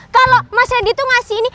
kalo mas rendi ngasih ini